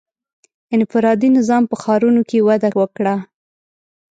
• انفرادي نظام په ښارونو کې وده وکړه.